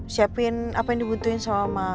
siapin apa yang dibuntuin sama